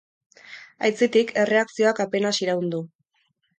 Aitzitik, erreakzioak apenas iraun du.